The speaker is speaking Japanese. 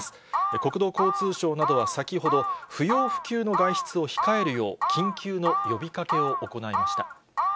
国土交通省などは先ほど不要不急の外出を控えるよう、緊急の呼びかけを行いました。